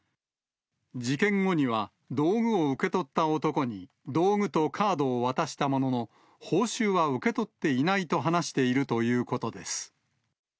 事件後には、道具を受け取った男に、道具とカードを渡したものの、報酬は受け取っていないと話しているということです。